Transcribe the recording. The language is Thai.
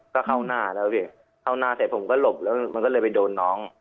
ก็เข้าหน้าแล้วพี่เข้าหน้าเสร็จผมก็หลบแล้วมันก็เลยไปโดนน้อง